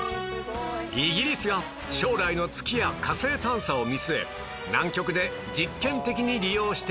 イギリスが将来の月や火星探査を見据え南極で実験的に利用しているのだ